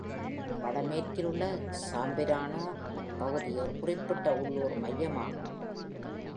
வடமேற்கில் உள்ள சாம்பிரானோ பகுதி ஒரு குறிப்பிட்ட உள்ளூர் மையமாகும்.